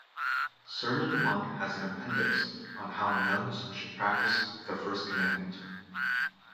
Sermon One has an appendix on how nuns should practice the first commandment.